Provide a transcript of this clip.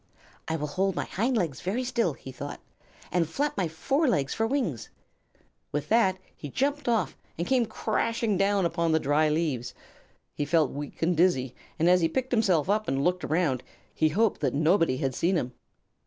"I will hold my hind legs very still," he thought, "and flap my forelegs for wings." With that he jumped off and came crashing down upon the dry leaves. He felt weak and dizzy, and as he picked himself up and looked around he hoped that nobody had seen him.